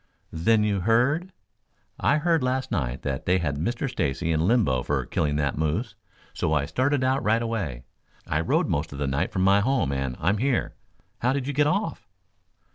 "Then you heard?" "I heard last night that they had Mr. Stacy in limbo for killing that moose, so I started out right away. I rode most of the night from my home and I'm here. How did you get off?"